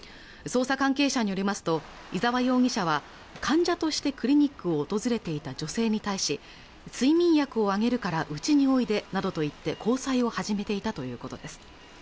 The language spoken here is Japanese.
捜査関係者によりますと伊沢容疑者は患者としてクリニックを訪れていた女性に対し睡眠薬をあげるからうちにおいでなどと言って交際を始めていたということです